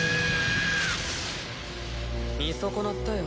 見損なったよ。